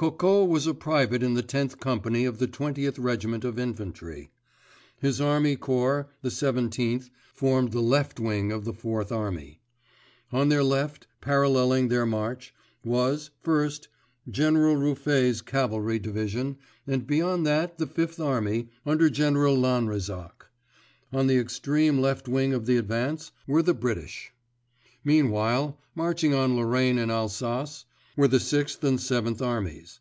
Coco was a private in the Tenth Company of the Twentieth Regiment of Infantry. His army corps, the Seventeenth, formed the left wing of the Fourth Army. On their left, paralleling their march, was, first, General Ruffey's cavalry division, and beyond that the Fifth Army, under General Lanrezac. On the extreme left wing of the advance were the British. Meanwhile, marching on Lorraine and Alsace, were the Sixth and Seventh Armies.